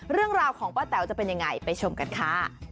เรื่องราวของป้าแต๋วจะเป็นยังไงไปชมกันค่ะ